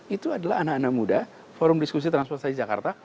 itu adalah anak anak muda forum diskusi transportasi jakarta